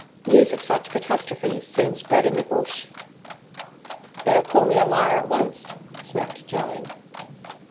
News of such catastrophes soon spread in the bush. "Better corl me a liar at onct," snapped Jyne.